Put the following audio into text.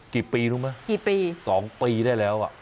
กี่ปีรู้ไหมสองปีได้แล้วอ่ะ